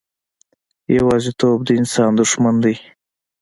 یوازیتوب د انسان دښمن دی.